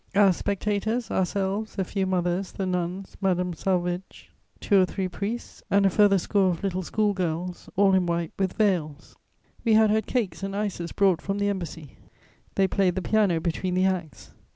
As spectators, ourselves, a few mothers, the nuns, Madame Salvage, two or three priests and a further score of little school girls, all in white, with veils. We had had cakes and ices brought from the Embassy. They played the piano between the acts.